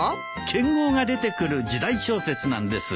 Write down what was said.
剣豪が出てくる時代小説なんです。